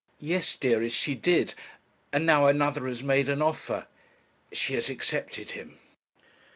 'Yes, dearest, she did; and now another has made an offer she has accepted him.'